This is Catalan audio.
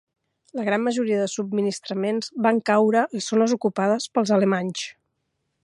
La gran majoria de subministraments van caure a zones ocupades pels alemanys.